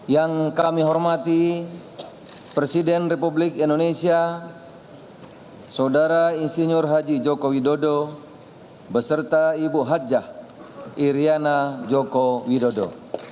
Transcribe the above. yang kami hormati presiden republik indonesia saudara insinyur haji joko widodo beserta ibu hajah iryana joko widodo